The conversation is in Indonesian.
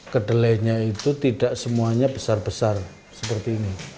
kedelainya itu tidak semuanya besar besar seperti ini